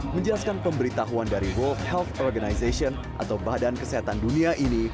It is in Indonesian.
menjelaskan pemberitahuan dari world health organization atau badan kesehatan dunia ini